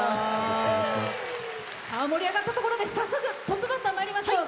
盛り上がったところで早速トップバッターまいりましょう。